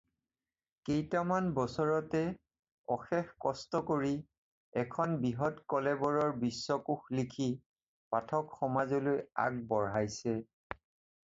কেইটামান বছৰতে অশেষ কষ্ট কৰি এখন বৃহৎ কলেবৰৰ বিশ্বকোষ লিখি পাঠক সমাজলৈ আগবঢ়াইছে।